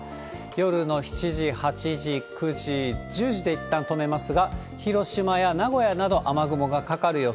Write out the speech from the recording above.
夜の７時、８時、９時、１０時でいったん止めますが、広島や名古屋など、雨雲がかかる予想。